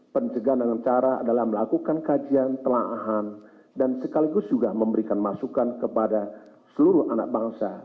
pencegahan dengan cara adalah melakukan kajian telahan dan sekaligus juga memberikan masukan kepada seluruh anak bangsa